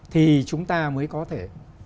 thì chúng ta mới có thể